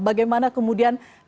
bagaimana kemudian terjadi